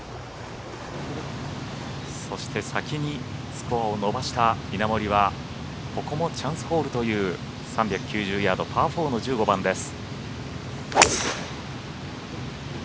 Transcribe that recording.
そして先にスコアを伸ばした稲森はここもチャンスホールという３９０ヤード、パー４の１５番です。